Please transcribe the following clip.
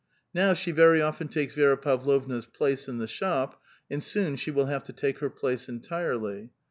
Now she very often takes Vi6ra Pavlovna's place in the shop, and soon she will have to take her place entirely.